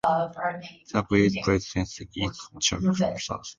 The village president is Chuck Sass.